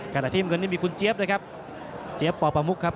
กระดาษทีมคนนี้มีคุณเจี๊ยบเลยครับเจี๊ยบป่อประมุกครับ